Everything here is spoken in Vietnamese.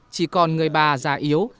chỉ còn người bà già yếu